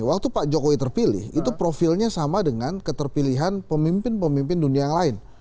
waktu pak jokowi terpilih itu profilnya sama dengan keterpilihan pemimpin pemimpin dunia yang lain